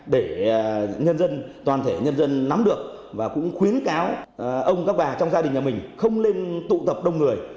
để nhân dân toàn thể nhân dân nắm được và cũng khuyến cáo ông các bà trong gia đình nhà mình không nên tụ tập đông người